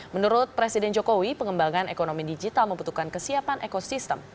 menurut presiden jokowi pengembangan ekonomi digital membutuhkan kesiapan ekosistem